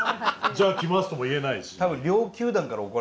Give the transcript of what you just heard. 「じゃあ着ます」とも言えないし。